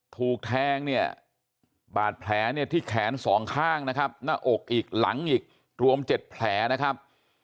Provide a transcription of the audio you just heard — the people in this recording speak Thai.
ถูกแทงเนี่ยบาดแผลเนี่ยที่แขนสองข้างนะครับหน้าอกอีกหลังอีกรวม๗แผลนะครับ